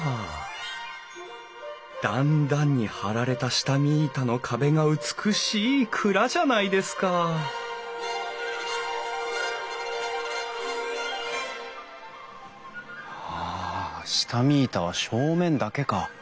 段々に張られた下見板の壁が美しい蔵じゃないですかはあ下見板は正面だけか。